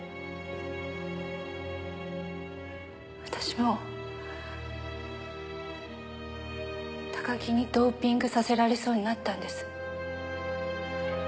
私も高木にドーピングさせられそうになったんです。